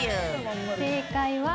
正解は。